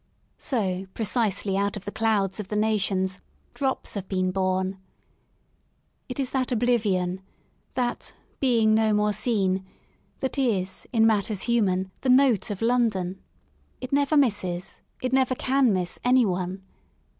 So precisely out of the clouds of the nationSj drops have been born. It is that oblivion, that being no more seen," that is, in matters human, the note of London* It never misses, it never can miss anyone.